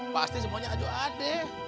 pasti semuanya ada ada